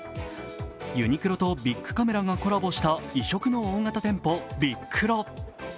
ユニクロとビックカメラがコラボした異色の大型店舗・ビックロ。